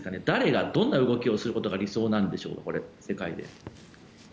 誰がどんな動きをすることが理想なんでしょう、世界で。